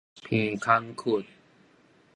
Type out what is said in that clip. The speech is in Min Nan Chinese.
鼻空窟